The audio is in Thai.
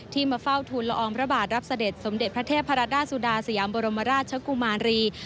มาเฝ้าทุนละอองพระบาทรับเสด็จสมเด็จพระเทพรดาสุดาสยามบรมราชกุมารี